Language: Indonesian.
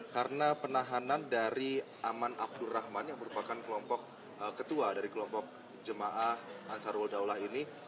karena penahanan dari aman abdurrahman yang merupakan kelompok ketua dari kelompok jemaah ansarul daulah ini